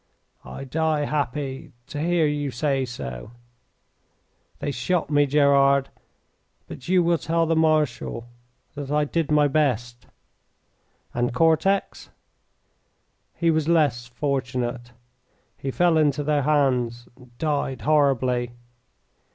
"I die happy to hear you say so. They shot me, Gerard. But you will tell the Marshal that I did my best." "And Cortex?" "He was less fortunate. He fell into their hands and died horribly.